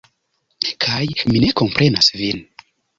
Kaj mi ne komprenas vin.